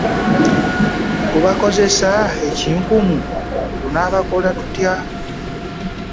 ku bakozesa enkinkumu tunakikola tutya.